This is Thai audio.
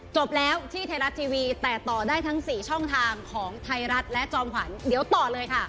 จบแล้วที่ไทยรัฐทีวีแต่ต่อได้ทั้ง๔ช่องทางของไทยรัฐและจอมขวัญเดี๋ยวต่อเลยค่ะ